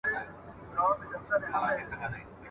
لکه ګڼي ښکلي وریځي د اسمان پر مخ ورکیږي !.